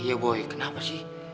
ya boy kenapa sih